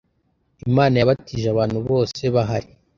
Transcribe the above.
Imana yabatije abantu bose bahari